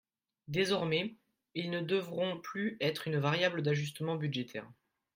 Désormais, ils ne devront plus être une variable d’ajustement budgétaire.